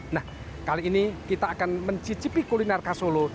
nah kali ini kita akan mencicipi kuliner khas solo